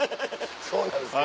そうなんですか。